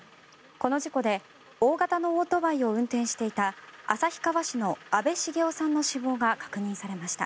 この事故で大型のオートバイを運転していた旭川市の阿部茂雄さんの死亡が確認されました。